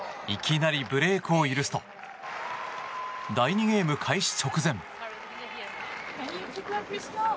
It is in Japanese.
いきなりブレークを許すと第２ゲーム開始直前。